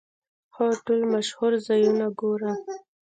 هو، ټول مشهور ځایونه ګورم